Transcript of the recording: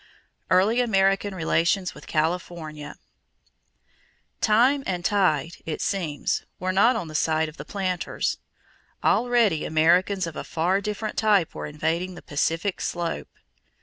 Early American Relations with California. Time and tide, it seems, were not on the side of the planters. Already Americans of a far different type were invading the Pacific slope.